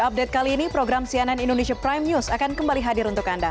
update kali ini program cnn indonesia prime news akan kembali hadir untuk anda